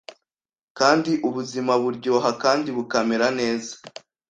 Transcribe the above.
kandi ubuzima buryoha kandi bukamera neza.